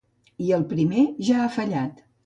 I el primer ja ha fallat.